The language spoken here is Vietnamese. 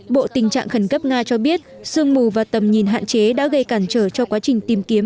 bộ tình trạng khẩn cấp nga cho biết sương mù và tầm nhìn hạn chế đã gây cản trở cho quá trình tìm kiếm